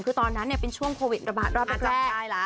คือตอนนั้นเป็นช่วงโควิดระบาดรอบแรก